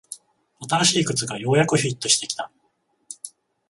新しい靴がようやくフィットしてきた